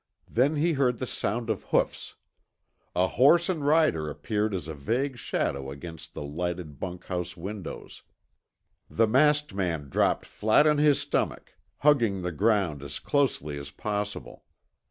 Then he heard the sound of hoofs. A horse and rider appeared as a vague shadow against the lighted bunkhouse windows. The masked man dropped flat on his stomach, hugging the ground as closely as possible.